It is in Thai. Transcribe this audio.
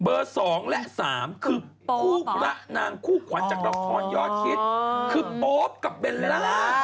เบอร์๒และ๓คือผู้รักนางคู่ขวัญจากละครยอดทิศคือป๊อบกับเบลล่า